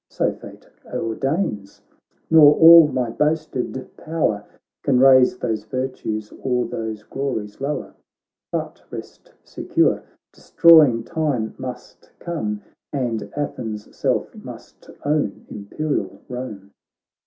So fate ordains, nor all my boasted power Can raise those virtues, or those glories lower. But rest secure, destroying time must come, And Athens' self must own imperial Rome.'